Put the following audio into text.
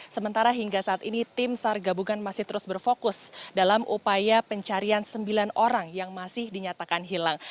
sementara hingga saat ini tim sar gabungan masih terus berfokus dalam upaya pencarian sembilan orang yang masih dinyatakan hilang